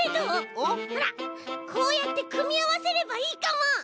ほらこうやってくみあわせればいいかも！